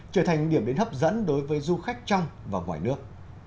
trở thành điểm đến hấp dẫn đối với du khách trong và ngoài nước